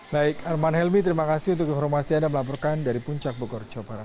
baik arman helmi terima kasih untuk informasi anda melaporkan dari puncak bogor jawa barat